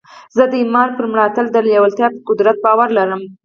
زه د ايمان پر ملاتړ د لېوالتیا پر قدرت باور لرم.